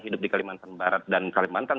hidup di kalimantan barat dan kalimantan